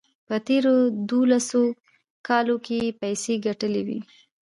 په تېرو دولسو کالو کې یې پیسې ګټلې وې.